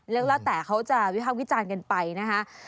เรียกแล้วแต่เขาจะวิภาพวิจารณ์กันไปนะครับ